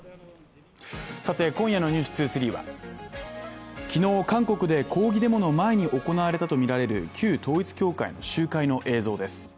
さて今夜の「ｎｅｗｓ２３」は昨日韓国で抗議デモの前に行われたと見られる旧統一教会の集会の映像です